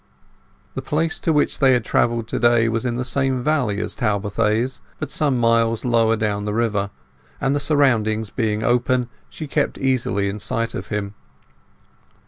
The place to which they had travelled to day was in the same valley as Talbothays, but some miles lower down the river; and the surroundings being open, she kept easily in sight of him.